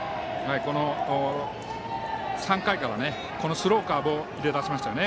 ３回からスローカーブを入れ始めましたよね。